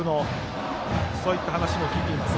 そういった話も聞いています。